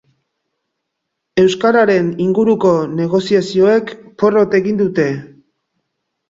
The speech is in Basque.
Euskararen inguruko negoziazioek porrot egin dute.